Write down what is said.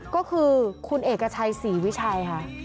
ก็คือคุณเอกชัยศรีวิชัยค่ะ